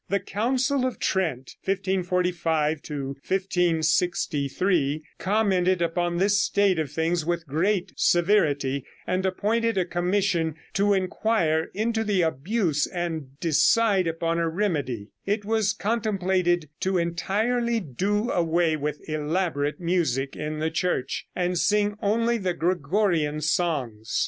The Council of Trent (1545 1563) commented upon this state of things with great severity, and appointed a commission to inquire into the abuse and decide upon a remedy. It was contemplated to entirely do away with elaborate music in the Church, and sing only the Gregorian songs.